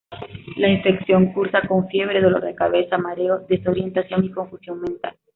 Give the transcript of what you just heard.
La infección cursa con fiebre, dolor de cabeza, mareo, desorientación y confusión mental.